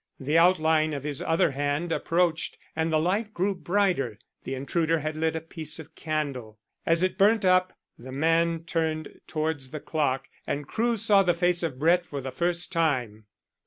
The outline of his other hand approached, and the light grew brighter the intruder had lit a piece of candle. As it burnt up the man turned towards the clock, and Crewe saw the face of Brett for the first time.